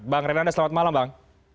bang renanda selamat malam bang